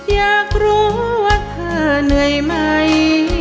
อยากรู้ว่าเธอเหนื่อยไหม